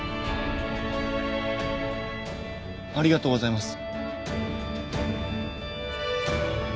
ありがとうございます。